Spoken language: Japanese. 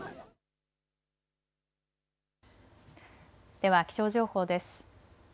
では気象情報です。